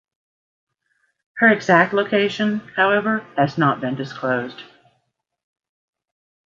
Her exact location, however, has not been disclosed.